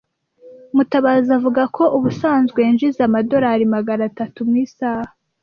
Mutabazi avuga ko ubusanzwe yinjiza amadorari magana atatu mu isaha.